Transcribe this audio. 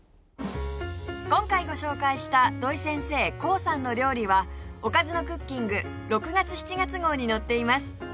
今回ご紹介した土井先生コウさんの料理は『おかずのクッキング』６月７月号に載っています